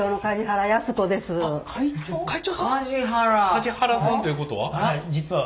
梶原さんということは。